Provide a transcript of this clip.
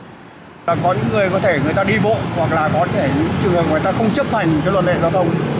có những người có thể người ta đi bộ hoặc là có thể người ta không chấp hành luật lệ giao thông